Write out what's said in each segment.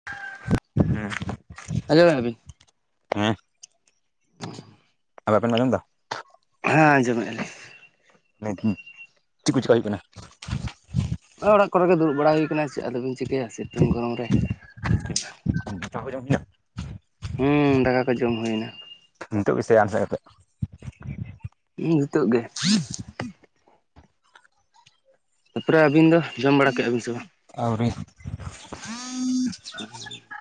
ᱦᱮᱸ ᱟᱸᱡᱚᱢ [unintelligible] ᱦᱮᱸ [inaudible] [unintelligible] ᱟᱡᱚᱢ ᱫᱟ ᱦᱮᱸ ᱟᱸᱡᱚᱢᱮᱜᱼᱟ ᱞᱤᱧ ᱱᱤᱛ ᱦᱩᱸ ᱪᱤᱜ ᱠᱩ ᱪᱮᱠᱟ ᱦᱩᱭᱩᱜ ᱠᱟᱱᱟ ᱦᱚᱜᱼᱚᱭ ᱚᱲᱟᱜ ᱠᱚᱨᱮ ᱜᱮ ᱫᱩᱲᱩᱵ ᱵᱟᱲᱟ ᱦᱩᱭ ᱠᱟᱱᱟ ᱪᱮᱜ ᱟᱫᱚ ᱵᱤᱱ ᱪᱤᱠᱟᱹᱭᱟ ᱥᱤᱛᱩᱝ ᱜᱚᱨᱚᱢ ᱨᱮ ᱫᱟᱠᱟ ᱠᱚ ᱡᱚᱢ [unintelligible] ᱦᱩᱸ ᱫᱟᱠᱟ ᱠᱚ ᱡᱚᱢ ᱦᱩᱭᱱᱟ ᱱᱤᱛᱚᱜ ᱜᱮ ᱥᱮ ᱟᱱ ᱥᱮᱜ ᱠᱟᱛᱮᱜ ᱦᱩ ᱦᱤᱛᱚᱜ ᱜᱮ ᱛᱟᱨᱯᱚᱨᱮ ᱟᱹᱵᱤᱱ ᱫᱚ ᱡᱚᱢ ᱵᱟᱲᱟ ᱠᱮᱜᱼᱟ ᱵᱤᱱ ᱥᱮ ᱵᱟᱝ? ᱟᱹᱣᱨᱤ [inaudible]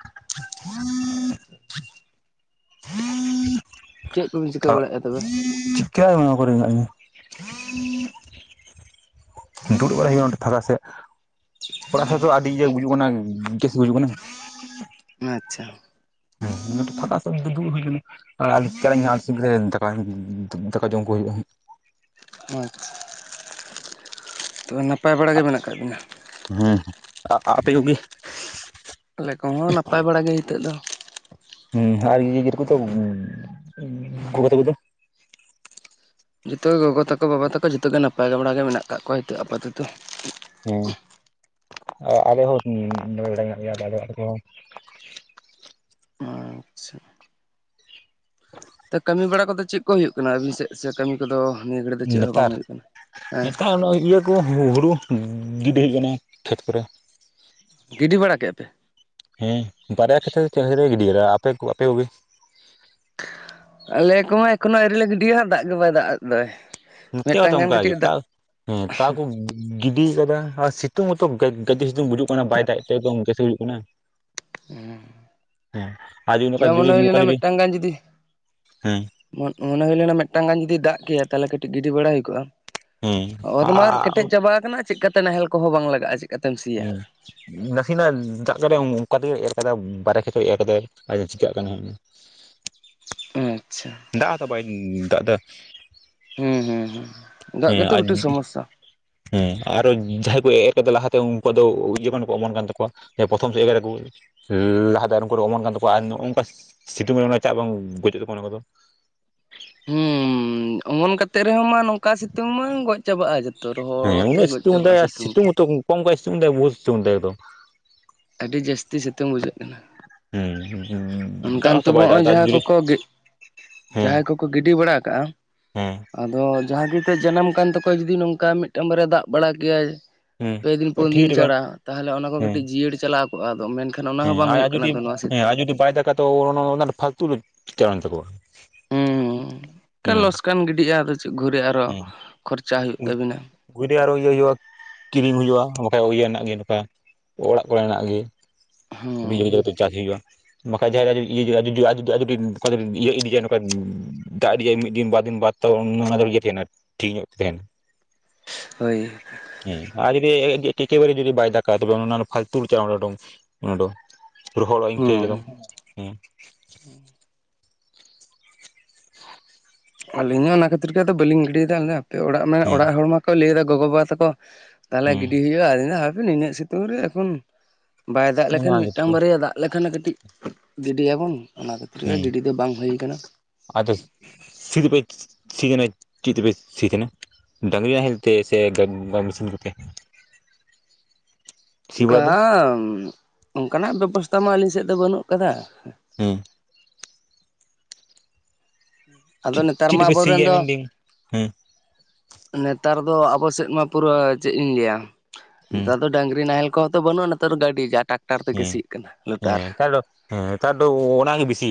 [unintelligible] ᱪᱮᱫ ᱠᱚᱵᱤᱱ ᱪᱤᱠᱟᱹ ᱵᱟᱲᱟᱭᱮᱫᱼᱟ ᱛᱚᱵᱮ? [unintelligible] ᱠᱚᱨᱮ [unintelligible] ᱫᱩᱲᱩᱵ ᱵᱟᱲᱟᱭ ᱦᱩᱭᱩᱜᱼᱟ ᱚᱰᱮ ᱯᱷᱟᱠᱟ ᱥᱮᱜ ᱚᱲᱟᱜ ᱥᱮᱜ ᱫᱚ ᱟᱹᱰᱤ ᱤᱭᱟᱹ ᱵᱩᱡ ᱦᱩᱭ ᱚᱱᱟ ᱜᱮ ᱜᱮ ᱵᱩᱡᱩᱜ ᱠᱟᱱᱟ [inaudible] ᱟᱪᱪᱷᱟ ᱦᱮᱸ ᱤᱱᱟᱹᱴᱮ ᱯᱷᱟᱠᱟ ᱥᱮᱜ ᱫᱩ ᱫᱩᱲᱩᱵ ᱦᱩᱭ ᱠᱟᱱᱟ ᱚᱲᱟᱜ ᱟᱞᱤᱧ ᱪᱟᱞᱟᱜ ᱤᱧ ᱦᱟᱸᱜ [unintelligible] ᱫᱟᱠᱟᱧ ᱫᱟᱠᱟ ᱡᱚᱢ ᱠᱚ ᱦᱩᱭᱩᱜᱼᱟ ᱦᱟᱸᱜ ᱟᱪᱪᱷᱟ ᱛᱚ ᱱᱟᱯᱟᱭ ᱵᱟᱲᱟ ᱜᱮ ᱢᱮᱱᱟᱜ ᱠᱟᱜ ᱵᱤᱱᱟ ᱦᱩᱸ ᱟᱜ ᱟᱜ ᱟᱯᱮ ᱠᱚᱜᱮ ᱟᱞᱮ ᱠᱚᱦᱚᱸ ᱱᱟᱯᱟᱭ ᱵᱟᱲᱟ ᱜᱮ ᱦᱤᱛᱚᱜ ᱫᱚ ᱟᱨ [unintelligible] ᱠᱚᱫᱚ ᱜᱚᱜᱚ ᱛᱟᱠᱚ ᱫᱚ ᱡᱚᱛᱚ ᱜᱮ ᱜᱚᱜᱚ ᱛᱟᱠᱚ ᱵᱟᱵᱟ ᱛᱟᱠᱚ ᱡᱚᱛᱚ ᱜᱮ ᱱᱟᱯᱟᱭ ᱜᱮ ᱵᱟᱲᱟᱭ ᱜᱮ ᱢᱮᱱᱟᱜᱠᱟᱜ ᱠᱚᱣᱟ ᱦᱤᱛᱚᱜ ᱟᱯᱟᱛᱚᱛᱚ ᱦᱩᱸ ᱟᱸ ᱟᱞᱮ ᱦᱚᱸ ᱱᱟᱯᱟᱭ ᱵᱟᱲᱟ [unintelligible] ᱟᱪᱪᱷᱟ [inaudible] ᱛᱚ ᱠᱟᱹᱢᱤ ᱵᱟᱲᱟ ᱠᱚᱫᱚ ᱪᱮᱜ ᱠᱚ ᱦᱩᱭᱩᱜ ᱠᱟᱱᱟ ᱟᱹᱵᱤᱱ ᱥᱮᱜ ᱥᱮ ᱠᱟᱹᱢᱤ ᱠᱚᱫᱚ ᱱᱤᱭᱟᱹ ᱜᱷᱟᱹᱲᱤ ᱫᱚ ᱪᱮᱜ ᱦᱚᱸ ᱵᱟᱝ ᱦᱩᱭᱩᱜ ᱠᱟᱱᱟ ᱦᱮᱸ ᱱᱚᱜᱼᱚᱭ [unintelligible] ᱠᱚ ᱦᱩᱦᱩᱲᱩ ᱜᱤᱰᱤ ᱦᱟᱹᱭ ᱠᱟᱱᱟ ᱠᱷᱮᱛ ᱠᱚᱨᱮ ᱜᱤᱰᱤ ᱵᱟᱲᱟ ᱠᱮᱜ ᱟ ᱯᱮ ᱦᱮᱸ ᱵᱟᱨᱭᱟ ᱠᱷᱮᱛᱮ ᱠᱷᱮᱛᱨᱮ ᱜᱤᱰᱤ ᱠᱮᱫᱟ ᱟᱯᱮ ᱠᱚ ᱟᱯᱮ ᱠᱚᱜᱮ ᱟᱞᱮ ᱠᱚᱢᱟ ᱮᱠᱷᱚᱱᱚ ᱟᱹᱨᱤ ᱞᱮ ᱜᱤᱰᱤᱭᱟ ᱦᱟᱸᱜ ᱫᱟᱜᱽ ᱜᱮ ᱵᱟᱭ ᱫᱟᱜᱽ ᱮᱫ ᱫᱟᱭ ᱱᱚᱛᱮ ᱦᱚᱸᱛᱚ ᱚᱝᱠᱟ ᱜᱤ ᱛᱟᱣ ᱦᱮᱸ ᱛᱟᱣ ᱠᱚ ᱜᱤᱰᱤ ᱠᱟᱫᱟ ᱟᱨ ᱥᱤᱛᱩᱝ ᱦᱚᱛᱚ ᱜᱟᱡ ᱜᱟᱡᱮ ᱥᱤᱛᱩᱝ ᱵᱩᱡᱩᱜ ᱠᱟᱱᱟ ᱵᱟᱭ ᱫᱟᱜᱮᱜ ᱛᱮ ᱮᱠᱫᱚᱢ ᱜᱮᱥᱮ ᱵᱩᱡᱟᱹᱜ ᱠᱟᱱᱟ ᱦᱚᱸ ᱦᱮᱸ ᱟᱨ ᱡᱩᱫᱤ ᱱᱚᱝᱠᱟ ᱛᱚ ᱡᱩᱫᱤ ᱢᱚᱱᱮ ᱦᱩᱭ ᱱᱚᱝᱠᱟ ᱞᱮᱱᱟ ᱡᱩᱫᱤ ᱢᱤᱜᱴᱟᱝ ᱜᱟᱱ ᱡᱩᱫᱤ ᱦᱮᱸ ᱢᱚᱱ ᱢᱚᱱᱮ ᱦᱩᱭ ᱞᱮᱱᱟ ᱢᱤᱜᱴᱟᱝ ᱜᱟᱱ ᱡᱩᱫᱤ ᱫᱟᱜᱽ ᱠᱮᱭᱟ ᱛᱟᱦᱚᱞᱮ ᱠᱟᱹᱴᱤᱡᱽ ᱜᱤᱰᱤ ᱵᱟᱲᱟ ᱦᱩᱭ ᱠᱚᱜᱼᱟ ᱦᱮᱸ ᱚᱛ ᱢᱟ ᱟᱨ ᱠᱮᱴᱮᱡᱽ ᱪᱟᱵᱟ ᱟᱠᱟᱱᱟ ᱪᱮᱜᱠᱟᱛᱮ ᱱᱟᱦᱮᱞ ᱠᱚᱦᱚᱸ ᱵᱟᱝ ᱞᱟᱜᱟᱜᱼᱟ ᱪᱮᱫᱠᱟᱛᱮᱢ ᱥᱤᱭᱟ ᱦᱩᱸ ᱱᱟᱥᱮᱱᱟᱜ ᱫᱟᱜᱽ ᱠᱟᱫᱟᱭ ᱚᱝᱠᱟ ᱛᱮᱜᱮ ᱮᱨ ᱠᱟᱫᱟ ᱵᱟᱨᱟ ᱠᱷᱮᱛᱮ ᱮᱨ ᱠᱟᱫᱟᱭ ᱟᱫᱚ ᱪᱤᱠᱟᱜ ᱠᱟᱱᱟ ᱦᱟ ᱟᱪᱪᱷᱟ ᱫᱟᱜᱽ ᱦᱚᱸᱛᱚ ᱵᱟᱭ ᱫᱟᱜᱽ ᱫᱟ ᱦᱩᱸ ᱦᱩᱸ ᱦᱩᱸ ᱫᱟᱜ ᱦᱮᱸ ᱜᱮᱛᱚ ᱟᱫ ᱢᱤᱫᱴᱮᱱ ᱥᱚᱢᱚᱥᱥᱟ ᱦᱮᱸ ᱟᱨᱚ ᱡᱟᱦᱟᱸᱭ ᱠᱚ ᱮᱨ ᱠᱟᱫᱟ ᱞᱟᱦᱟᱛᱮ ᱩᱱᱠᱩᱣᱟᱜ ᱫᱚ ᱡᱚᱠᱷᱚᱱ ᱠᱚ ᱚᱢᱚᱱ ᱠᱟᱱ ᱛᱟᱠᱚᱣᱟ ᱯᱨᱚᱛᱷᱚᱢ ᱥᱮᱫ ᱮᱨᱟ ᱠᱚ ᱞᱟᱦᱟᱛᱮ ᱩᱱᱠᱩ ᱚᱢᱚᱱ ᱠᱟᱱ ᱛᱟᱠᱚᱣᱟ ᱟᱨ ᱱᱚᱜᱼᱚ ᱱᱚᱝᱠᱟ ᱥᱤ ᱥᱤᱛᱩᱝ ᱨᱮ ᱚᱱᱟ ᱪᱟᱜ ᱵᱟᱝ ᱜᱚᱡᱚᱜ ᱛᱟᱠᱚᱣᱟ ᱚᱱᱟ ᱠᱚᱫᱚ ᱦᱩᱸ ᱚᱢᱚᱱ ᱠᱟᱛᱮᱫ ᱨᱮᱦᱚᱸ ᱢᱟ ᱱᱚᱝᱠᱟ ᱥᱤᱛᱩᱝ ᱢᱟ ᱜᱚᱡᱽ ᱪᱟᱵᱟᱜᱼᱟ ᱡᱚᱛᱚ ᱨᱚᱦᱚᱲ ᱦᱮᱸ ᱛᱮ ᱩᱱᱟᱹᱜ ᱜᱚᱡᱽ ᱥᱤᱛᱩᱝ ᱪᱟᱵᱟᱜᱼᱟ ᱫᱟᱭ ᱟᱨ ᱥᱤᱛᱩᱝ ᱛᱮ [unintelligible] ᱟᱹᱰᱤ ᱡᱟᱹᱥᱛᱤ ᱥᱤᱛᱩᱝ ᱵᱩᱡᱷᱟᱹᱜ ᱠᱟᱱᱟ᱾ ᱩᱸ ᱦᱩᱸ ᱚᱱᱠᱟ ᱱᱤᱛᱳᱜ [unintelligible] ᱦᱟᱸᱜᱼᱚᱭ ᱡᱟᱦᱟᱸᱭ ᱠᱚ ᱠᱚ ᱦᱮᱸ ᱡᱟᱦᱟᱸᱭ ᱠᱚᱠᱚ ᱜᱤᱰᱤ ᱵᱟᱲᱟ ᱠᱟᱜᱼᱟ ᱦᱮᱸ ᱟᱫᱚ ᱡᱟᱦᱟᱸᱭ ᱜᱮ ᱱᱤᱛᱳᱜ ᱡᱟᱱᱟᱢ ᱠᱟᱱ ᱛᱟᱠᱚᱣᱟ ᱡᱩᱫᱤ ᱱᱚᱝᱠᱟ ᱢᱤᱫᱴᱟᱝ ᱵᱟᱨᱭᱟ ᱫᱟᱜ ᱵᱟᱲᱟ ᱠᱮᱭᱟᱭ ᱦᱮᱸ ᱯᱮ ᱫᱤᱱ ᱯᱩᱱ ᱴᱷᱤᱠ ᱫᱤᱱ ᱞᱮᱠᱟ ᱪᱷᱟᱲᱟ ᱛᱟᱦᱚᱞᱮ ᱚᱱᱟ ᱠᱚ ᱦᱮᱸ ᱠᱟᱹᱴᱤᱡ ᱡᱤᱭᱟᱹᱲ ᱪᱟᱞᱟᱣ ᱠᱚᱜᱼᱟ ᱟᱫᱚ ᱢᱮᱱᱠᱷᱟᱱ ᱚᱱᱟ ᱦᱚᱸ ᱦᱮᱸ ᱵᱟᱝ ᱟᱨ ᱦᱩᱭᱩᱜ ᱟᱡ ᱡᱩᱫᱤ ᱠᱟᱱᱟ ᱛᱚ ᱱᱚᱣᱟ ᱥᱤᱛ ᱦᱮᱸ ᱟᱨ ᱡᱩᱫᱤ ᱵᱟᱭ ᱫᱟᱠᱟ ᱛᱚ ᱚᱱᱟ ᱚᱱᱟ ᱫᱚ ᱯᱷᱟᱞᱛᱩ ᱪᱧᱞᱟᱣ ᱮᱱ ᱛᱟᱠᱚᱣᱟ ᱦᱩᱸᱠᱟᱞ ᱦᱮᱸ ᱞᱚᱥᱠᱟᱱ ᱜᱤᱰᱤᱜ-ᱟ ᱫᱚ ᱪᱮᱫ ᱜᱷᱩᱨᱮ ᱟᱨᱦᱚᱸ ᱦᱮᱸ ᱠᱷᱚᱨᱪᱟ ᱦᱩᱭᱩᱜ ᱛᱟᱵᱤᱱᱟ [inaudible] ᱜᱷᱩᱨᱮ ᱟᱨᱚ ᱤᱭᱟᱹ ᱦᱩᱭᱩᱜᱼᱟ ᱠᱤᱨᱤᱧ ᱦᱩᱭᱩᱜᱼᱟ ᱵᱟᱠᱟᱱ ᱤᱭᱟᱹ ᱨᱮᱱᱟᱜ ᱜᱮ ᱱᱚᱝᱠᱟ ᱚᱲᱟᱜ ᱠᱚᱨᱮᱱᱟᱜ ᱜᱮ ᱦᱩᱸ ᱠᱟᱛᱮ ᱪᱟᱥ ᱦᱩᱭᱩᱜᱼᱟ᱾ ᱵᱟᱠᱷᱟᱱ ᱡᱟᱦᱟᱸ ᱤᱭᱟᱹ ᱤᱫᱤ [unintelligible] ᱫᱟᱜ ᱨᱮᱭᱟᱜ ᱢᱤᱫ ᱫᱤᱱ ᱵᱟᱨ ᱫᱤᱱ ᱵᱟᱫ ᱚᱱᱟᱦᱟᱲᱟᱜ ᱫᱚ ᱤᱭᱟᱹ ᱛᱟᱦᱮᱱᱟ ᱴᱷᱤᱠ ᱧᱚᱜ ᱛᱮ ᱛᱟᱦᱮᱱᱟ ᱦᱳᱭ ᱦᱮᱸ ᱟᱨ ᱡᱩᱫᱤ ᱮᱠᱮᱵᱟᱨᱮ ᱡᱩᱫᱤ ᱵᱟᱭ ᱫᱟᱠᱟ ᱛᱚᱵᱮ ᱚᱱᱟ ᱯᱷᱟᱞᱛᱩ [unintelligible] ᱚᱱᱟ ᱫᱚ ᱨᱚᱦᱚᱲᱚᱜ ᱤᱱᱠᱟᱹ ᱦᱩᱸ ᱠᱮᱫᱟᱢ ᱦᱩᱸ ᱟᱹᱞᱤᱧ ᱦᱚᱸ ᱚᱱᱟ ᱠᱷᱟᱹᱛᱤᱨ ᱜᱮ ᱟᱫᱚ ᱵᱟᱹᱞᱤᱧ ᱜᱤᱰᱤᱭᱮᱫᱟ ᱟᱫᱚ ᱦᱟᱯᱮ ᱚᱲᱟᱜ ᱨᱮᱱᱟᱜ ᱦᱮᱸ ᱚᱲᱚᱜ ᱦᱚᱲ ᱢᱟᱠᱚ ᱞᱟᱹᱭᱮᱫᱟ ᱜᱚᱜᱚ ᱵᱟᱵᱟ ᱛᱟᱠᱚ ᱛᱟᱦᱚᱞᱮ ᱦᱮᱸ ᱜᱤᱰᱤ ᱦᱩᱭᱩᱜᱼᱟ ᱟᱫᱚᱧ ᱦᱟᱯᱮ ᱤᱱᱟᱹᱜ ᱥᱤᱛᱩᱝ ᱨᱮ ᱮᱠᱷᱚᱱᱼᱼ ᱵᱟᱭ ᱫᱟᱜ ᱞᱮᱠᱷᱟᱱ ᱚᱱᱟ ᱢᱤᱫᱴᱟᱝ ᱜᱮᱛᱚ ᱵᱟᱨᱭᱟ ᱫᱟᱜ ᱞᱮᱠᱷᱟᱱ ᱠᱟᱹᱴᱤᱡ ᱜᱤᱰᱤᱭᱟᱵᱚᱱ ᱚᱱᱟ ᱠᱷᱟᱹᱛᱤᱨ ᱜᱮ ᱦᱮᱸ ᱜᱤᱰᱤ ᱫᱚ ᱵᱟᱝ ᱦᱩᱭ ᱠᱟᱱᱟ ᱟᱫᱚ ᱥᱤ ᱫᱚ ᱯᱮ ᱥᱤ ᱠᱟᱱᱟ ᱪᱮᱫ ᱛᱮ ᱯᱮ ᱥᱤ ᱠᱟᱱᱟ ᱰᱟᱝᱨᱤ ᱱᱟᱦᱮᱞ ᱛᱮ ᱥᱮ ᱜᱟᱹᱰᱤ ᱢᱮᱥᱤᱱ ᱠᱚᱛᱮᱼᱼ [inaudible] ᱵᱟᱲᱟ ᱫᱚ ᱜᱟᱢ ᱚᱱᱠᱟᱱᱟᱜ ᱵᱮᱵᱚᱥᱛᱷᱟ ᱢᱟ ᱟᱹᱞᱤᱧ ᱥᱮᱫ ᱫᱚ ᱵᱟᱹᱱᱩᱜ ᱠᱟᱫᱟ ᱦᱩᱸ ᱟᱫᱚ ᱱᱮᱛᱟᱨ ᱪᱮᱫ ᱢᱟ ᱛᱮᱯᱮ ᱟᱵᱳ ᱥᱤ ᱨᱮᱱ ᱜᱮᱭᱟ ᱫᱚ ᱢᱮᱱᱫᱟᱹᱧ ᱦᱮᱸ ᱱᱮᱛᱟᱨ ᱫᱚ ᱟᱵᱚ ᱥᱮᱫ ᱢᱟ ᱯᱩᱨᱟᱹ ᱪᱮᱫ ᱤᱧ ᱞᱟᱹᱭᱟ ᱦᱮᱸ ᱱᱮᱛᱟᱨ ᱫᱚ ᱰᱟᱹᱝᱨᱤ ᱱᱟᱦᱮᱞ ᱠᱚᱦᱚᱸ ᱛᱚ ᱵᱟᱹᱱᱩᱜᱼᱟ ᱱᱮᱛᱟᱨ ᱜᱟᱹᱰᱤ ᱡᱟ ᱴᱟᱠᱴᱟᱨ ᱛᱮᱜᱮ ᱦᱮᱸ ᱥᱤᱜ ᱠᱟᱱᱟ ᱞᱳᱴᱟᱨ ᱦᱮᱸ ᱱᱮᱛᱟᱨ ᱫᱚ ᱦᱮᱸ ᱱᱮᱛᱟᱨ ᱫᱚ ᱚᱱᱟ ᱜᱮ ᱵᱤᱥᱤ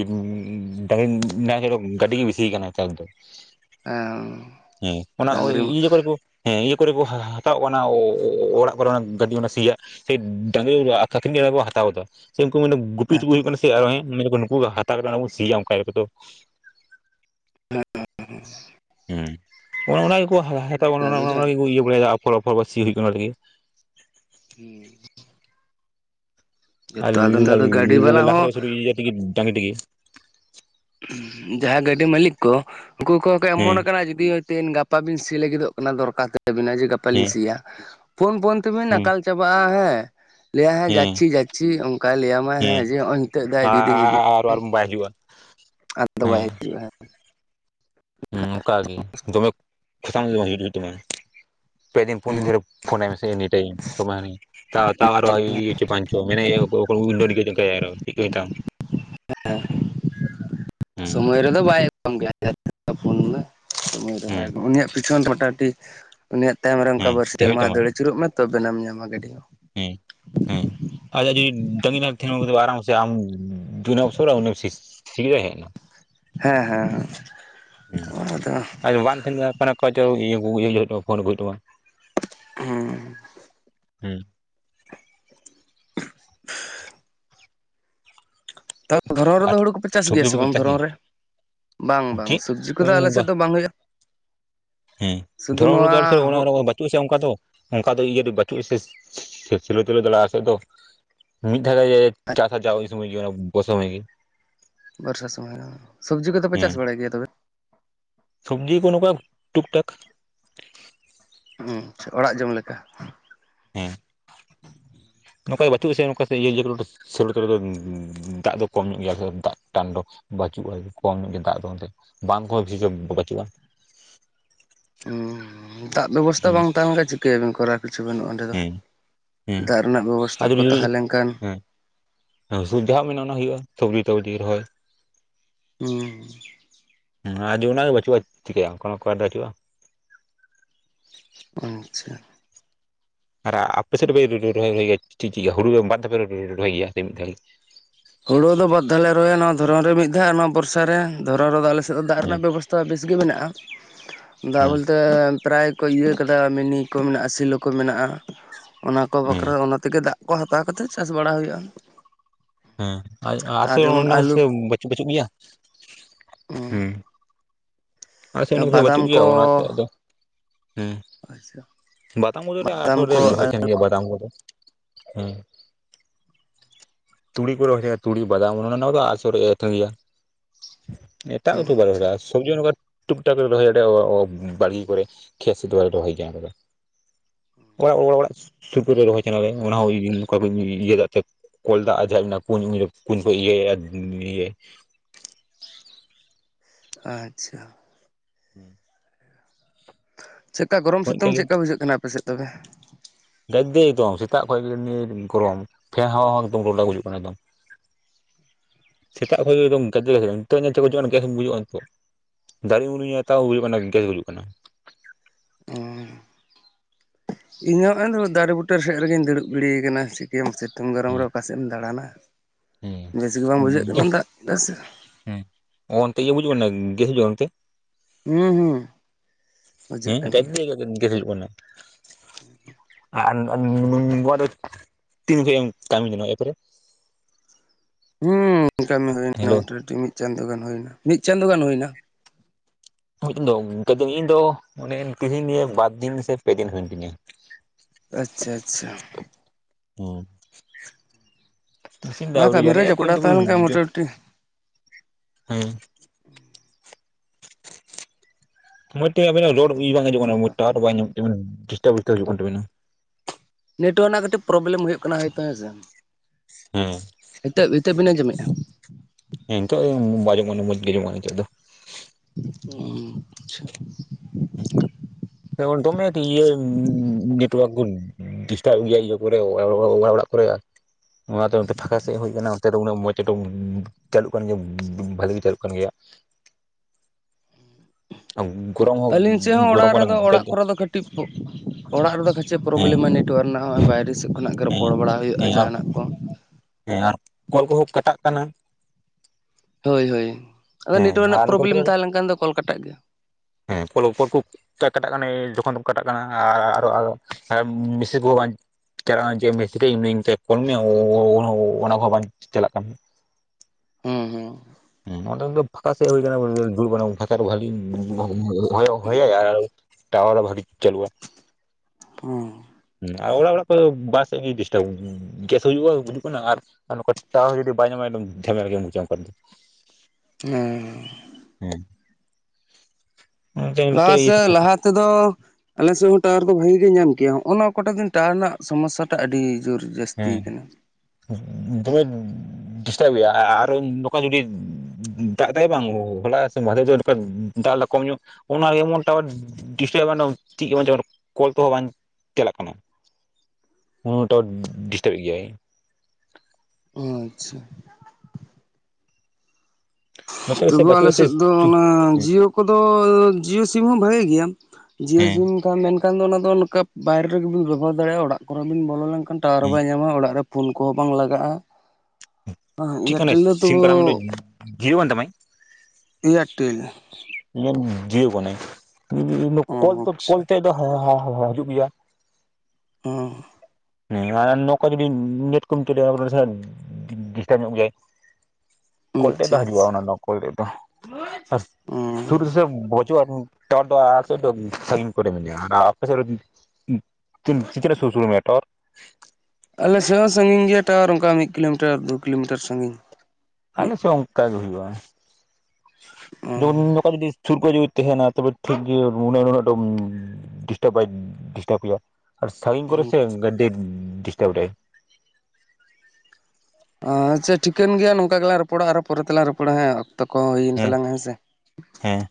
ᱰᱟᱝᱨᱤ ᱱᱟᱦᱮᱞ ᱜᱟᱹᱰᱤ ᱜᱮ ᱵᱤᱥᱤ ᱠᱟᱱᱟ ᱱᱮᱛᱟᱨ ᱫᱚᱼᱼ [inaudible] ᱦᱮᱸ ᱦᱮᱸ ᱚᱱᱟ ᱰᱟᱝᱨᱤ ᱤᱭᱟ. ᱠᱚ ᱨᱮ ᱠᱚᱼᱼ ᱦᱮᱸ ᱤᱭᱟᱹ ᱠᱚᱨᱮ ᱵᱚᱱ ᱦᱟ ᱼᱦᱟ ᱛᱟᱣ ᱚᱱᱟ ᱚᱼᱚ ᱲᱟᱜ ᱠᱚᱨᱮᱱᱟᱜ ᱜᱟᱹᱰᱤ ᱚᱱᱰᱮ ᱥᱤᱭᱟᱜᱭ ᱥᱮ ᱰᱟᱺᱝᱨᱤ ᱛᱟᱹᱠᱤᱱ [unintelligible] ᱠᱚ ᱦᱟᱛᱟᱣ ᱫᱟ ᱥᱮ ᱩᱱᱠᱩ ᱜᱩᱯᱤ ᱠᱚ ᱦᱩᱭᱩᱜ ᱠᱟᱱᱟ ᱥᱮ ᱟᱨ [unintelligible] [inaudible] ᱠᱟᱛᱮ ᱚᱱᱟ ᱵᱚᱱ ᱥᱤᱭᱟ ᱚᱱᱠᱟ ᱫᱚᱼᱼ ᱦᱮᱸᱮᱸ [inaudible] ᱦᱮᱸ ᱚᱱᱮ ᱚᱱᱟᱱᱟᱜ ᱜᱮᱠᱚ ᱞᱟᱦᱟ ᱦᱟᱛᱟᱣ ᱱᱮᱛᱟᱨ ᱫᱚ ᱚᱱᱟᱜ ᱜᱮᱠᱚ ᱤᱭᱟᱹ ᱵᱟᱲᱟᱭ ᱟᱯᱷᱚᱨ ᱟᱯᱷᱚᱨ ᱥᱤ ᱦᱩᱭᱩᱜ ᱠᱟᱱᱟ ᱚᱱᱟ ᱞᱟ. ᱜᱤᱫ᱾ ᱦᱩᱸ ᱟᱨ ᱡᱚᱛᱚ ᱟᱫᱚ ᱱᱮᱛᱟᱨ ᱫᱚ ᱜᱟᱹᱰᱤ ᱵᱟᱞᱟ [unintelligible] ᱞᱟᱦᱟ ᱦᱚᱸ ᱨᱮ ᱰᱟᱝᱨᱤ ᱜᱮᱼᱼ ᱩᱸᱦ ᱡᱟᱦᱟᱸ ᱜᱟᱹᱰᱤ ᱢᱟᱹᱞᱤᱠ ᱠᱚ ᱩᱱᱠᱩ ᱠᱚᱠᱚ ᱮᱢᱚᱱ ᱦᱮᱸ ᱟᱠᱟᱱᱟ ᱡᱩᱫᱤ ᱛᱮᱱ ᱜᱟᱯᱟ ᱵᱤᱱ ᱥᱤ ᱞᱟᱹᱜᱤᱫᱚᱜ ᱠᱟᱱᱟ ᱫᱚᱨᱠᱟᱨ ᱛᱟᱟᱹᱵᱤᱱᱟ ᱡᱮ ᱜᱟᱯᱟ ᱞᱤᱧ ᱦᱮᱸ ᱥᱤᱭᱟ ᱯᱷᱳᱱ ᱯᱷᱳᱱ ᱛᱮᱵᱤᱱ ᱦᱮᱸ ᱱᱟᱠᱟᱞ ᱪᱟᱵᱟᱜᱼᱟ ᱦᱮᱸ ᱞᱟᱹᱭᱟ‌ ᱦᱮᱸ ᱡᱟᱪᱷᱤ ᱡᱟᱪᱷᱤ ᱚᱱᱠᱟᱭ ᱞᱟᱹᱭ ᱟᱢᱟ ᱦᱮᱸ ᱡᱮ ᱱᱤᱛᱳᱜ ᱜᱮ ᱟᱡ ᱫᱤᱫᱤᱧ ᱤᱫ ᱫᱤ ᱟᱨ ᱟᱨ ᱵᱟᱭ ᱦᱤᱡᱩᱜᱼᱟ ᱟᱫᱚ ᱵᱟᱭ ᱦᱮᱸ ᱚᱱᱠᱟᱜ ᱜᱮ ᱫᱚᱢᱮ [unintelligible] ᱯᱮ ᱫᱤᱱ ᱯᱩᱱ ᱫᱤᱱ ᱫᱷᱩᱨᱤᱭᱟᱹ ᱯᱷᱳᱱ ᱟᱭ ᱢᱮ ᱥᱮ ᱮᱱᱤ ᱴᱟᱭᱤᱢ ᱛᱚᱵᱮ ᱦᱤᱲᱤᱧᱟ ᱛᱟᱣᱟᱨ ᱤᱭᱟᱹ ᱪᱚ ᱵᱟᱝ ᱪᱚ ᱦᱮᱸ ᱦᱩᱸ ᱥᱚᱢᱚᱭ ᱨᱮᱫᱚ ᱵᱟᱭ ᱯᱦᱳᱱ ᱜᱮᱭᱟ ᱟᱡ ᱛᱮ ᱫᱚ ᱯᱷᱚᱱ ᱢᱮ ᱦᱩᱸ ᱩᱱᱤᱭᱟᱜ ᱯᱤᱪᱷᱚᱱ ᱢᱚᱴᱟᱢᱩᱴᱤ ᱩᱱᱤᱭᱟᱜ ᱛᱟᱭᱚᱢ ᱨᱮ ᱚᱱᱠᱟ ᱦᱩᱸ ᱵᱟᱨᱥᱤᱧ ᱛᱮ ᱯᱮ ᱦᱩᱭᱩᱜ ᱢᱟᱥ ᱫᱟᱲᱮ ᱟᱹᱪᱩᱨᱚᱜ ᱢᱮ ᱛᱚᱵᱮ ᱟᱱᱟᱢ ᱧᱟᱢᱟ ᱜᱟᱹᱰᱤ ᱦᱮᱸ ᱦᱮᱸ ᱟᱪᱪᱷᱟ ᱡᱤᱢ ᱛᱟᱜᱤ ᱱᱟ ᱟᱨᱟᱢ ᱥᱮ ᱟᱢ ᱚᱥᱚᱨ ᱥᱤᱜ ᱦᱮᱡ ᱮᱱᱟ ᱦᱮᱸ ᱦᱮᱸ ᱦᱮᱸ ᱟᱫᱚ ᱟᱡ ᱵᱟᱝ ᱛᱟᱦᱮᱸᱱ ᱚᱠᱟᱭᱪᱚ ᱤᱭᱟᱹ ᱤᱭᱟᱹ ᱦᱩᱭᱩᱜ ᱛᱟᱢᱟ ᱯᱷᱳᱱ ᱠᱚ ᱦᱩᱭᱩᱜ ᱛᱟᱢᱟ ᱦᱩᱸ ᱦᱩᱸ ᱻ ᱛ ᱫᱷᱚᱨᱚᱱ ᱨᱮ ᱟᱨ ᱫᱚᱫᱚ ᱦᱩᱲᱩ ᱠᱚᱯᱮ ᱪᱟᱥ ᱜᱮᱭᱟ ᱥᱚᱵᱽᱡᱤ ᱥᱮ ᱠᱚᱯᱮ ᱵᱟᱝ ᱪᱟᱥ ᱫᱷᱚᱨᱚᱱ ᱜᱮᱭᱟ ᱨᱮ ᱵᱟᱝ ᱵᱟᱝ ᱪᱮᱫ ᱥᱚᱵᱽᱡᱤ ᱠᱚᱫᱚ ᱟᱞᱮᱥᱮᱫ ᱫᱚ ᱵᱟᱝ ᱦᱩᱭᱩᱜᱼᱟ ᱦᱮᱸ ᱥᱩᱫᱷᱩ ᱫᱷᱚᱨᱚᱱ ᱦᱩᱲᱩ ᱱᱚᱣᱟ ᱫᱚ ᱟᱞᱮ ᱥᱮᱫ ᱚᱲᱟᱜ ᱨᱮᱠᱚ ᱵᱟᱪ ᱴᱷᱤᱠ ᱟᱪᱷᱮ ᱚᱱᱠᱟ ᱫᱚ ᱚᱱᱠᱟ ᱫᱚ ᱤᱭᱟᱹ ᱫᱚ ᱵᱟᱪᱩᱜᱼᱟ ᱥᱮ ᱯᱷᱤᱞᱳ ᱯᱷᱤᱞᱳ ᱜᱮᱞᱟ ᱥᱮᱫ ᱫᱚ ᱢᱤᱫ ᱫᱷᱟᱜ ᱮᱜ ᱦᱟᱪᱟᱣ ᱚᱥᱚᱢᱚᱭ ᱦᱤᱡᱩᱜᱼᱟ ᱚᱱᱟ ᱵᱚᱥᱚ ᱨᱮ ᱜᱮ ᱵᱚᱨᱥᱟ ᱥᱚᱢᱚᱭ ᱦᱤᱡᱩᱜᱼᱟ ᱥᱚᱵᱽᱡᱤ ᱠᱚᱫᱚᱯᱮ ᱪᱟᱥ ᱵᱟᱲᱟᱭ ᱜᱮᱭᱟ ᱛᱚᱵᱮ ᱥᱚᱵᱡᱤ ᱠᱚ ᱱᱚᱝᱠᱟ ᱴᱩᱠ ᱴᱟᱠ ᱦᱩᱸ ᱪᱷᱟ ᱚᱲᱟᱜ ᱡᱚᱢ ᱞᱮᱠᱟ ᱦᱮᱸ ᱱᱚᱝᱠᱟ ᱵᱟᱹᱪᱩᱜ ᱟ ᱥᱮ ᱱᱚᱝᱠᱟ ᱤᱭᱟᱹ ᱡᱮ ᱠᱚ ᱥᱮᱞᱚ ᱠᱚ ᱨᱮ ᱫᱚ ᱫᱟᱜ ᱫᱚ ᱠᱚᱢ ᱧᱚᱜ ᱜᱮᱭᱟ ᱫᱟᱜ ᱴᱟᱱ ᱫᱚ ᱵᱟᱹᱪᱩᱜᱼᱟ ᱠᱚᱢ ᱧᱚᱜ ᱜᱮ ᱫᱟᱜ ᱫᱚᱛᱮ ᱵᱟᱸ ᱠᱚᱦᱚᱸ ᱵᱮᱥᱤ ᱵᱟᱹᱪᱩᱜᱼᱟ᱾ ᱩᱸᱦ ᱫᱟᱜ ᱵᱮᱵᱚᱥᱛᱟ ᱦᱮᱸ ᱵᱟᱝ ᱛᱟᱦᱮᱱ ᱠᱷᱟᱱ ᱪᱤᱠᱟᱹᱭ ᱟᱵᱤᱱ ᱠᱚᱨᱟᱣ ᱠᱤᱪᱷᱩ ᱵᱟᱹᱱᱩᱜᱼᱟ ᱚᱸᱰᱮ ᱫᱚ ᱦᱮᱸ ᱦᱮᱸ ᱫᱟᱜ ᱨᱮᱱᱟᱜ ᱵᱮᱵᱚᱥᱛᱟ ᱠᱚ ᱛᱟᱦᱮᱸ ᱞᱮᱱᱠᱷᱟᱱ ᱦᱟᱹᱥᱩᱫ ᱡᱟᱸᱦᱟ ᱢᱮᱱᱟᱜᱼᱟ ᱚᱱᱟ ᱦᱩᱭᱩᱜᱼᱟ ᱥᱚᱵᱡᱤ ᱛᱚᱵᱡᱤ ᱨᱚᱦᱚᱭ ᱩᱸ ᱦᱟᱸᱡᱩᱲᱟ ᱵᱟᱪᱩᱜᱼᱟᱡ ᱪᱤᱠᱟᱹᱭᱟᱢ ᱠᱚᱱᱳ ᱠᱚᱨᱟᱨ ᱜᱮ ᱵᱟᱪᱩᱜᱼᱟ ᱚᱱᱤᱪᱷᱟ ᱟᱨ ᱟᱯᱮ ᱥᱮᱫ ᱨᱮ ᱯᱮ ᱨᱩ ᱨᱚᱦᱚᱭ ᱜᱮᱭᱟ ᱪᱮᱫ ᱪᱮᱫ ᱦᱩᱲᱩ ᱵᱟᱫᱷᱟᱯᱮ ᱨᱩ ᱨᱚᱦᱚᱭ ᱜᱮᱭᱟ ᱥᱮ ᱢᱤᱫ ᱫᱷᱟᱣ ᱜᱮ ᱦᱩᱲᱩ ᱫᱚ ᱵᱟᱝ ᱫᱷᱟᱣ ᱞᱮ ᱨᱚᱦᱚᱭᱟ ᱱᱚᱣᱟ ᱫᱷᱚᱨᱚᱢ ᱨᱮ ᱢᱤᱫ ᱫᱷᱟᱣ ᱱᱚᱣᱟ ᱵᱚᱨᱥᱟ ᱨᱮ ᱫᱷᱚᱨᱚᱢ ᱨᱮᱫᱚ ᱟᱞᱮ ᱥᱮᱫ ᱫᱚ ᱫᱟᱜ ᱦᱮᱸ ᱨᱮᱱᱟᱜ ᱵᱮᱵᱚᱥᱼᱼ ᱛᱚ ᱵᱮᱥᱜᱮ ᱢᱮᱱᱟᱜᱼᱟ ᱫᱟᱜ ᱦᱮᱸ ᱵᱚᱞᱛᱮ ᱯᱨᱟᱭ ᱠᱚ ᱤᱭᱟᱹ ᱠᱟᱫᱟ ᱢᱤᱱᱤ ᱠᱚ ᱢᱮᱱᱟᱜᱼᱟ ᱥᱤᱞᱚ ᱠᱚ ᱢᱮᱱᱟᱜᱼᱟ ᱚᱱᱟᱠᱚ ᱦᱮᱸ ᱵᱟᱠᱷᱨᱟ ᱚᱱᱟᱛᱮᱜᱮ ᱫᱟᱜ ᱠᱚ ᱦᱟᱛᱟᱣ ᱠᱟᱛᱮᱫ ᱪᱟᱥ ᱵᱟᱲᱟ ᱦᱩᱭᱩᱜᱼᱟ ᱦᱮᱸ ᱟᱨᱥᱮ ᱟᱨ ᱡᱮᱢᱚᱱ ᱚᱱᱟ ᱫᱚ ᱟᱹᱞᱩ ᱵᱟᱪᱩᱜ ᱵᱟᱪᱩᱜ ᱜᱮᱭᱟ ᱦᱮᱸ ᱟᱞᱮ ᱥᱮ ᱚᱱᱟ ᱠᱚ ᱵᱟᱹᱪᱩᱜ ᱜᱮᱭᱟ ᱚᱱᱟᱛᱮ ᱟᱫᱚ ᱟᱪᱪᱷᱟ ᱦᱮᱸ ᱵᱟᱫᱟᱢ ᱠᱚᱫᱚ ᱞᱮ ᱟᱨᱚᱸ ᱞᱮ ᱨᱚᱦᱚᱭ ᱠᱟᱫ ᱜᱮᱭᱟ ᱵᱟᱫᱟᱢ ᱠᱚᱫᱚ ᱦᱮᱸ ᱛᱩᱲᱤ ᱠᱚ ᱨᱚᱦᱚᱭᱟ ᱛᱩᱲᱤ ᱵᱟᱫᱟᱢ ᱚᱱᱟ ᱠᱚ ᱟᱥᱚᱞᱮ ᱟᱹᱛᱷᱟᱲᱤᱭᱟᱹ ᱮᱴᱟᱜ ᱦᱟᱛᱚ ᱠᱚ ᱨᱚᱦᱚᱭᱟ ᱥᱚᱵᱡᱤ ᱚᱱᱟᱠᱚ ᱴᱩᱠᱴᱟᱠ ᱞᱮ ᱨᱚᱦᱚᱭᱟ ᱵᱟᱲᱜᱤ ᱠᱚᱨᱮ ᱠᱷᱮᱥᱛᱩ ᱠᱚ ᱨᱮᱫᱚ ᱦᱩᱭ ᱠᱟᱱᱟ ᱚᱱᱰᱮ ᱫᱚ ᱚᱲᱟᱜ ᱚᱲ ᱚᱲᱟᱜ ᱥᱩᱨ ᱠᱚᱨᱮ ᱨᱮ ᱨᱚᱦᱚᱭ ᱪᱟᱞᱟᱣ ᱞᱮᱱ ᱚᱱᱟ ᱦᱚᱸ ᱦᱩᱭᱞᱮᱱ ᱠᱟᱹᱢᱤ ᱤᱭᱟᱹᱛᱮᱜ ᱠᱚᱞ ᱫᱟᱜ ᱟᱡᱟᱜᱱᱟ ᱠᱩᱧ ᱠᱩᱧ ᱠᱚ ᱤᱭᱟᱹᱭ ᱤᱭᱟᱹ ᱟᱪᱪᱷᱟ ᱦᱩᱸ ᱪᱮᱫᱠᱟ ᱜᱚᱨᱚᱢ ᱦᱚᱸ ᱤᱱᱠᱟᱹ ᱥᱤᱛᱩᱝ ᱜᱮ ᱪᱮᱫ ᱞᱮᱠᱟ ᱵᱩᱡᱷᱟᱹᱜ ᱠᱟᱱᱟ ᱟᱯᱮ ᱥᱮᱫ ᱛᱚᱵᱮ ᱜᱟᱡᱮ ᱮᱠᱫᱚᱢ ᱥᱮᱛᱟᱜ ᱠᱷᱚᱱ ᱜᱮ ᱜᱚᱨᱚᱢ ᱯᱷᱮᱱ ᱦᱟᱣᱟ ᱦᱚᱸ ᱜᱩᱨᱞᱟᱹᱣ ᱜᱩᱡᱩᱜ ᱠᱟᱱᱟ ᱮᱠᱫᱚᱢ ᱥᱮᱛᱟᱜ ᱠᱷᱚᱱ ᱠᱮᱫᱚᱢ ᱜᱮ ᱜᱟᱡᱮ ᱜᱮᱡᱮᱨᱟ ᱪᱮᱫ ᱜᱚᱡᱩᱜᱼᱟ ᱵᱮᱥ ᱵᱩᱡᱩᱜᱼᱟ ᱛᱚ ᱫᱟᱨᱮ ᱩᱹᱧ ᱤᱧ ᱦᱟᱛᱟᱣ ᱦᱩᱭ ᱠᱟᱱᱟ ᱚᱱᱟ ᱤᱱᱠᱟᱹ ᱜᱮ ᱜᱩᱡᱩᱜ ᱠᱟᱱᱟ ᱚ ᱤᱧ ᱦᱚ ᱱᱚᱜ ᱚᱭ ᱫᱟᱨᱮ ᱵᱩᱴᱟᱹᱨᱮ ᱥᱮᱫ ᱨᱮᱜᱤᱧ ᱫᱩᱲᱩᱵ ᱜᱤᱲᱤ ᱠᱟᱱᱟ ᱪᱤᱠᱟᱹᱭᱟᱢ ᱥᱤᱛᱩᱝ ᱜᱚᱨᱚᱢ ᱦᱩᱸ ᱨᱮ ᱚᱠᱟᱥᱮᱫ ᱮᱢ ᱫᱟᱲᱟᱱᱟ ᱵᱮᱥ ᱜᱮ ᱵᱟᱝ ᱦᱩᱸ ᱵᱩᱡᱷᱟᱹᱜ ᱜᱮᱥ ᱠᱟᱱᱟ ᱫᱟᱜ ᱛᱮ ᱥᱮ ᱦᱮᱸ ᱚᱱᱛᱮ ᱜᱮ ᱤᱭᱟᱹ ᱵᱩᱡᱷᱟᱹᱣ ᱠᱟᱱᱟ ᱾ ᱜᱮᱥ ᱦᱤᱡᱩᱜᱼᱟ ᱚᱱᱛᱮ ᱦᱩᱸ ᱦᱩᱸ ᱵᱩᱡᱷᱟᱹᱜ ᱦᱮᱸ ᱠᱟᱱ ᱜᱟᱡᱮ ᱜᱮᱭᱟ ᱜᱟᱡᱮ ᱤᱱᱠᱟᱹ ᱦᱩᱭᱩᱜ ᱠᱟᱱᱟ ᱟᱨ ᱱᱚᱣᱟ ᱫᱚ ᱛᱤᱱ ᱜᱷᱟᱹᱲᱤᱠᱼᱮᱢ ᱠᱟᱹᱢᱤ ᱠᱟᱱᱟ ᱮᱨ ᱯᱚᱨᱮ ᱦᱩᱸ ᱠᱟᱹᱢᱤ ᱦᱩᱭᱱᱟ ᱦᱮᱞᱳ ᱢᱚᱴᱟᱢᱩᱴᱤ ᱢᱤᱫ ᱪᱟᱸᱫᱳ ᱜᱟᱱ ᱦᱩᱭᱱᱟ ᱾ ᱢᱤᱫ ᱪᱟᱸᱫᱳ ᱜᱟᱱ ᱦᱩᱭᱱᱟ? [unintelligible] ᱤᱧ ᱫᱚ ᱚᱱᱮ ᱛᱮᱦᱮᱧ ᱱᱤᱭᱮ ᱵᱟᱨ ᱫᱤᱱ ᱥᱮ ᱯᱮ ᱫᱤᱱ ᱦᱩᱭᱮᱱ ᱛᱤᱧᱟᱹ ᱟᱪᱪᱷᱟ ᱟᱪᱪᱷᱟ ᱚᱸ ᱤᱥᱤᱱ ᱫᱚ ᱱᱚᱣᱟ ᱟᱹᱣᱨᱤ ᱠᱟᱹᱢᱤᱨᱮ ᱡᱟᱱᱤᱡ ᱚᱠᱟᱭ ᱡᱚᱯᱲᱟᱣ ᱫᱚ ᱛᱟᱦᱮᱸ ᱞᱮᱱᱠᱷᱟᱱ ᱡᱚᱜ ᱢᱚᱴᱟᱢᱩᱴᱤ ᱦᱮᱸ ᱢᱚᱸᱡᱽ ᱛᱮ ᱟᱵᱮᱱᱟᱜ ᱨᱚᱲ ᱤᱭᱟᱹ ᱵᱟᱝ ᱟᱡᱚᱢᱚᱜ ᱦᱤᱡᱩᱜ ᱠᱟᱱᱟ ᱱᱟᱯᱟᱭ ᱴᱟᱳᱣᱟᱨ ᱵᱟᱭ ᱧᱟᱢ ᱮᱫ ᱛᱟᱹᱵᱤᱱᱟ ᱰᱤᱥᱴᱟᱯ ᱮᱫ ᱛᱟᱹᱵᱤᱱᱟᱭ ᱱᱮᱴᱳᱣᱟᱨᱠ ᱨᱮᱱᱟᱜ ᱠᱟᱹᱴᱤᱡ ᱯᱨᱚᱵᱞᱮᱢ ᱦᱩᱭᱩᱜ ᱠᱟᱱᱟ ᱦᱳᱭᱛᱚ ᱦᱮᱸᱥᱮ ᱦᱮᱸ ᱱᱤᱛᱟᱹᱜ ᱱᱤᱛᱟᱹᱜ ᱵᱤᱱ ᱟᱸᱡᱚᱢᱮᱜᱼᱟ ᱦᱮ ᱱᱤᱛᱚᱜ [unintelligible] ᱟᱡᱚᱢᱚᱜᱼᱟ ᱢᱚᱸᱡᱽ ᱜᱮ ᱟᱡᱚᱢᱚᱜᱼᱟ ᱱᱤᱛᱚᱜ ᱫᱚ ᱟᱪᱪᱷᱟ ᱨᱚᱲ ᱫᱚᱢᱮ ᱤᱭᱟᱹ ᱱᱮᱴᱳᱣᱟᱨᱠ ᱵᱟᱱᱩᱜ ᱰᱤᱥᱴᱟᱨᱵ ᱜᱮᱭᱟ ᱤᱭᱟᱹ ᱠᱚᱨᱮ ᱚᱲᱟᱜ ᱚᱲᱟᱜ ᱠᱚᱨᱮᱜ ᱱᱚᱣᱟ ᱫᱚ ᱱᱚᱛᱮ ᱯᱷᱟᱸᱠᱟ ᱥᱮᱫ ᱦᱮᱡ ᱦᱩᱭ ᱠᱟᱱᱟ ᱚᱱᱛᱮ ᱫᱚ ᱩᱱᱟᱹᱜ ᱢᱚᱸᱡᱽ ᱩᱰᱩᱜ ᱪᱟᱞᱩᱜ ᱠᱟᱱ ᱜᱮᱭᱟ ᱵᱷᱟᱹᱞᱤ ᱜᱤ ᱪᱟᱹᱞᱩᱜ ᱠᱟᱱ ᱜᱮᱭᱟ [inaudible] ᱟᱹᱞᱤᱧ ᱥᱮᱫ ᱦᱚᱸ ᱜᱚᱨᱚᱢ ᱚᱲᱟᱜ ᱠᱟᱱᱟ ᱨᱮᱫᱚ ᱚᱲᱟᱜ ᱦᱮᱸ ᱠᱚᱨᱮ ᱫᱚ ᱠᱟᱹᱴᱤᱡ ᱚᱲᱟᱜ ᱨᱮᱫᱚ ᱠᱷᱟᱪᱮ ᱯᱨᱚᱵᱞᱮᱢ ᱟᱭ ᱱᱮᱴᱳᱣᱟᱨᱠ ᱨᱮᱱᱟᱜ ᱾ ᱱᱚᱸᱜᱼᱚᱭ ᱵᱟᱭᱨᱮ ᱥᱮᱫ ᱠᱷᱚᱱᱟᱜ ᱜᱮ ᱦᱮᱸ ᱨᱚᱯᱚᱲ ᱵᱟᱲᱟ ᱦᱮᱸ ᱦᱩᱭᱩᱜᱼᱟ ᱟᱨ ᱡᱟᱦᱟᱱᱟᱜ ᱠᱚ ᱦᱮᱸ ᱟᱨ ᱠᱚᱞ ᱠᱚᱦᱚᱸ ᱠᱟᱴᱟᱜ ᱠᱟᱱᱟ᱾ ᱦᱳᱭ ᱦᱳᱭ ᱟᱫᱚ ᱦᱮᱸ ᱱᱮᱴᱳᱣᱟᱨᱠ ᱟᱨ ᱨᱮᱱᱟᱜ ᱯᱨᱚᱵᱞᱮᱢ ᱱᱚᱛᱮ ᱛᱟᱦᱮᱸ ᱞᱮᱱ ᱠᱷᱟᱱ ᱫᱚ ᱠᱚᱞ ᱠᱟᱴᱟᱜ ᱜᱮᱭᱟ ᱦᱮᱸ [unintelligible] ᱠᱟᱴᱟᱜ ᱠᱟᱱᱟ ᱡᱚᱠᱷᱚᱱ ᱫᱚ ᱠᱟᱴᱟᱜ ᱠᱟᱱᱟ ᱟᱨᱚ ᱟᱨᱦᱚ ᱢᱮᱥᱮᱡ ᱠᱚᱦᱚᱸ ᱵᱟᱝ [inaudible] ᱦᱩᱸ ᱦᱩᱸ ᱟᱫᱚ ᱱᱚᱛᱮ ᱯᱷᱟᱠᱟ ᱥᱮᱫ ᱦᱩᱭ ᱠᱟᱱᱟ᱾ [unintelligible] ᱠᱷᱟᱛᱟᱨ ᱵᱷᱟᱹᱞᱤ [unintelligible] ᱦᱚᱭ ᱦᱚᱭᱟᱭᱟᱨ ᱴᱟᱣᱟᱨ ᱵᱷᱟᱹᱜᱤ ᱪᱟᱹᱞᱩᱜᱼᱟ᱾ ᱦᱚᱸ᱾ ᱟᱨ ᱚᱲᱟᱜ ᱚᱲᱟᱜ ᱠᱚ ᱵᱟᱦᱨᱮ ᱥᱮᱫ ᱜᱮ ᱰᱤᱥᱴᱟᱵᱽ ᱜᱮᱥ ᱦᱩᱭᱩᱜᱼᱟ ᱜᱩᱡᱩᱜ ᱠᱟᱱᱟ ᱟᱨ ᱱᱚᱝᱠᱟ ᱴᱟᱣᱟᱨ ᱡᱩᱫᱤ ᱵᱟᱭ ᱧᱟᱢᱟ ᱮᱠᱫᱚᱢ ᱛᱷᱮᱢᱮᱨ ᱜᱮᱢ ᱵᱩᱡᱷᱟᱣᱟ ᱚᱱᱠᱟ ᱦᱮᱸᱻ ᱦᱩᱸ ᱞᱟᱦᱟ ᱥᱮᱫ ᱞᱟᱦᱟ ᱛᱮᱫᱚ ᱟᱞᱮ ᱥᱮᱫ ᱦᱚᱸ ᱴᱟᱣᱟᱨ ᱠᱚ ᱵᱷᱟᱜᱮ ᱜᱮ ᱧᱟᱢ ᱠᱮᱭᱟᱢ ᱚᱱᱟ ᱠᱚᱴᱟᱜ ᱫᱤᱱ ᱴᱟᱣᱟᱨ ᱨᱮᱱᱟᱜ ᱥᱚᱢᱚᱥᱥᱟ ᱴᱟ ᱟᱹᱰᱤ ᱡᱳᱨ ᱡᱟᱹᱥᱛᱤ ᱦᱮᱸ ᱠᱟᱱᱟ᱾ ᱫᱚᱢᱮ ᱰᱤᱥᱴᱟᱵᱮᱜᱼᱟ ᱟᱨᱚᱧ ᱱᱚᱝᱠᱟ ᱡᱩᱫᱤ ᱫᱟᱜ ᱫᱟᱭ ᱵᱟᱝ ᱦᱚᱞᱟᱜ ᱥᱮ ᱢᱟᱫᱷᱮᱨ ᱦᱤᱞᱚᱜ ᱱᱚᱝᱠᱟ ᱫᱟᱜ ᱞᱮᱫᱟ ᱠᱚᱢ ᱧᱚᱜ ᱚᱱᱟ ᱜᱮ ᱡᱮᱢᱚᱱ ᱴᱟᱣᱟᱨ ᱴᱤᱥᱟᱹᱜ [unintelligible] ᱪᱮᱫ ᱜᱮ ᱵᱟᱝ ᱪᱚ ᱟᱨ ᱠᱚᱞ ᱠᱚᱦᱚᱸ ᱵᱟᱝ ᱪᱟᱞᱟᱜ ᱠᱟᱱᱟ᱾ [unintelligible] ᱰᱤᱥᱴᱟᱵᱽ ᱮᱫ ᱜᱮᱭᱟᱭ ᱟᱪᱪᱷᱟ᱾ ᱱᱚᱛᱮ ᱥᱮ ᱛᱚᱵᱮ ᱵᱟᱹᱪᱩᱜ ᱟᱥᱮ ᱟᱞᱮᱥᱮᱫ ᱫᱚ ᱪᱩ ᱚᱱᱟ ᱦᱮᱸ ᱡᱤᱭᱳ ᱠᱚᱫᱚ ᱡᱤᱭᱳ ᱥᱤᱢ ᱦᱚᱸ ᱵᱷᱟᱜᱮ ᱜᱮᱭᱟ ᱡᱤᱭᱳ ᱦᱮᱸ ᱥᱤᱢ ᱠᱷᱟᱱ ᱢᱮᱱᱠᱷᱟᱱ ᱫᱚ ᱚᱱᱟ ᱫᱚ ᱱᱚᱝᱠᱟ ᱵᱟᱭᱨᱮ ᱨᱮᱜᱮ ᱵᱤᱱ ᱵᱮᱵᱚᱦᱟᱨ ᱫᱟᱲᱮᱭᱟᱜᱼᱟ ᱚᱲᱟᱜ ᱠᱚᱨᱮ ᱵᱤᱱ ᱵᱚᱞᱚ ᱞᱮᱱᱠᱷᱟᱱ ᱴᱟᱣᱟᱨ ᱦᱚᱸ ᱦᱮᱸ ᱵᱟᱭ ᱧᱟᱢᱟ ᱟᱲᱟᱜ ᱨᱮ ᱯᱷᱳᱱ ᱠᱚᱦᱚᱸ ᱵᱟᱝ ᱞᱟᱜᱟᱜᱼᱟ ᱪᱮᱫ ᱠᱟᱱᱟᱭ ᱮᱭᱟᱨᱴᱮᱞ ᱫᱚ ᱥᱤᱢ ᱛᱚᱵᱚ ᱠᱟᱨᱰ ᱟᱢᱟᱜ ᱫᱚ ᱡᱤᱭᱳ ᱠᱟᱱ ᱛᱟᱢᱟᱭ? ᱮᱭᱟᱨᱴᱮᱞ ᱤᱧᱟᱹᱜ ᱡᱤᱭᱳ ᱠᱟᱱᱟᱭ ᱚ ᱠᱚᱞ ᱛᱚ ᱠᱚᱞ ᱟᱪᱪᱷᱟ ᱛᱮᱫ ᱫᱚ ᱦᱟᱡᱩᱜ ᱜᱮᱭᱟ᱾ ᱦᱩᱸ᱾ ᱦᱮᱸ ᱟᱨ ᱱᱚᱝᱠᱟ ᱡᱩᱫᱤ ᱱᱮᱴ ᱠᱚᱢ ᱪᱟᱹᱞᱩᱭᱟ [unintelligible] ᱰᱤᱥᱴᱟᱵᱽ ᱧᱚᱜ ᱜᱮᱭᱟᱭ᱾ [inaudible] ᱠᱚᱞ ᱛᱮᱫ ᱫᱚ ᱦᱟᱡᱩᱜᱼᱟ ᱟᱪᱪᱷᱟ ᱚᱱᱟ ᱫᱚ ᱠᱚᱞ ᱛᱮᱫ ᱫᱚ ᱟᱨ ᱚ ᱥᱩᱨ ᱥᱮ ᱵᱟᱹᱪᱩᱜ ᱟᱵᱩᱱ ᱴᱟᱣᱟᱨ ᱫᱚ ᱟᱞᱮ ᱥᱮᱫ ᱫᱚ ᱥᱟᱺᱜᱤᱧ ᱠᱚᱨᱮ ᱢᱮᱱᱟᱭᱟ ᱟᱨ ᱟᱯᱮ ᱥᱮᱫ ᱫᱚ ᱛᱤᱱ ᱛᱤᱱᱟᱹᱜ ᱥᱩᱨ ᱥᱩᱨ ᱢᱮᱭᱟᱭ ᱴᱟᱣᱟᱨ? ᱟᱞᱮ ᱥᱮᱫ ᱦᱚᱸ ᱥᱟᱺᱜᱤᱧ ᱜᱮᱭᱟ ᱴᱟᱣᱟᱨ ᱚᱱᱠᱟ ᱢᱤᱫ ᱠᱤᱞᱳᱢᱤᱴᱟᱨ ᱫᱩ ᱠᱤᱞᱳᱢᱤᱴᱟᱨ ᱥᱟᱺᱜᱤᱧ ᱟᱞᱮ ᱢᱤᱫ ᱥᱮᱫ ᱦᱚᱸ ᱚᱱᱠᱟ ᱜᱮ ᱦᱩᱭᱩᱜᱼᱟ ᱚ ᱡᱮᱢᱚᱱ ᱱᱚᱝᱠᱟ ᱡᱩᱫᱤ ᱥᱩᱨ ᱠᱚ ᱡᱩᱫᱤ ᱛᱟᱦᱮᱱᱟ ᱛᱚᱵᱮ ᱴᱷᱤᱠ ᱜᱮ ᱢᱚᱱᱮ ᱩᱱᱟᱹᱜ ᱰᱚᱢ ᱰᱤᱥᱴᱟᱵᱟᱭ ᱰᱤᱥᱴᱟᱯᱮᱭᱟ᱾ ᱟᱨ ᱥᱟᱺᱜᱤᱧ ᱠᱚᱨᱮ ᱥᱮ ᱜᱟᱰᱮ ᱰᱤᱥᱴᱟᱵᱟᱭ ᱟᱪᱪᱷᱟ ᱴᱷᱤᱠᱟᱹᱱ ᱜᱮᱭᱟ ᱱᱚᱝᱠᱟ ᱜᱮᱞᱟᱝ ᱨᱚᱯᱚᱲᱟ ᱟᱨᱚ ᱯᱚᱨᱮ ᱛᱮᱞᱟᱝ ᱨᱚᱯᱚᱲᱟ ᱦᱮᱸ ᱚᱠᱛᱚ ᱠᱚᱦᱚᱸ ᱦᱩᱭᱮᱱ ᱛᱟᱞᱟᱝ ᱦᱮᱸ ᱥᱮ ᱦᱮᱸ᱾